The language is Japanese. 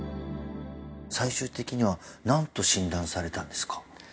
最終的には何と診断されたんですか？